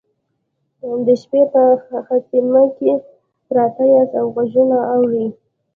د شپې په خیمه کې پراته یاست او غږونه اورئ